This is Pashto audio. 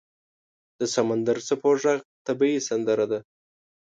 • د سمندر څپو ږغ طبیعي سندره ده.